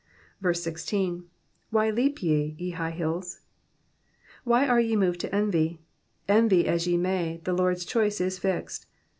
16.H7iy kap ye, ye high hills ?^^ Why are ye moved to envy? Envy as ye may, the Lord's choice is fixed.